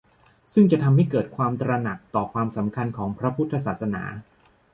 ซึ่งจะทำให้เกิดความตระหนักต่อความสำคัญของพระพุทธศาสนา